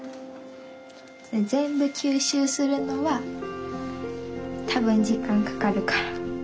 全部吸収するのは多分時間かかるから。